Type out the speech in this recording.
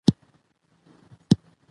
نقش یې څرګند دی.